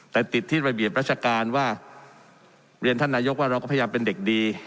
แต่ติดที่ระเบียบราชการว่าเรียนท่านนายกว่าเราก็พยายามเป็นเด็กดี